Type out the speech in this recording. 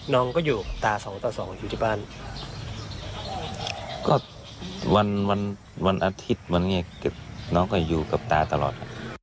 น้องก็อยู่กับตาตลอด